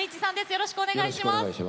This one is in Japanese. よろしくお願いします。